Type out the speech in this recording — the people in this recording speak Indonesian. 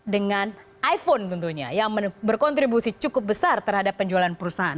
dengan iphone tentunya yang berkontribusi cukup besar terhadap penjualan perusahaan